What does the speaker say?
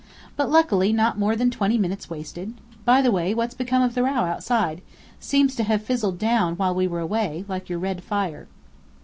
But luckily not more than twenty minutes wasted. By the way, what's become of the row outside? Seems to have fizzled down while we were away, like your red fire."